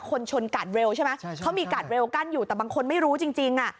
ชนกาดเร็วใช่ไหมใช่เขามีกาดเร็วกั้นอยู่แต่บางคนไม่รู้จริงจริงอ่ะ